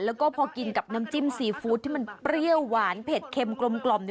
แล้วก็พอกินกับน้ำจิ้มซีฟู้ดที่มันเปรี้ยวหวานเผ็ดเค็มกลม